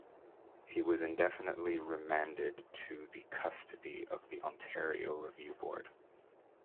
He was indefinitely remanded to the custody of The Ontario Review Board.